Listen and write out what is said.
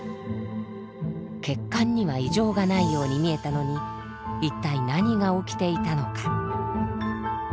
血管には異常がないように見えたのに一体何が起きていたのか？